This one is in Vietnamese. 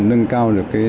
nâng cao được công nghệ